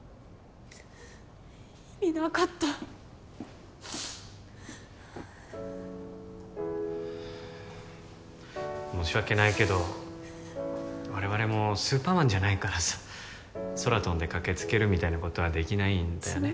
意味なかった申し訳ないけど我々もスーパーマンじゃないからさ空飛んで駆けつけるみたいなことはできないんだよね